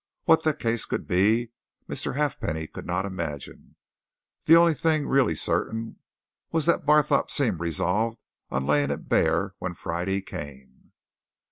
What that case could be, Mr. Halfpenny could not imagine the only thing really certain was that Barthorpe seemed resolved on laying it bare when Friday came.